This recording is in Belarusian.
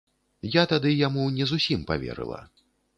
Я тады яму не зусім паверыла.